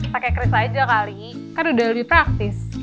pakai kris aja kali kan udah lebih praktis